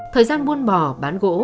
thời gian buôn bò bán gỗ